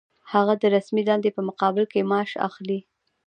هغه د رسمي دندې په مقابل کې معاش اخلي.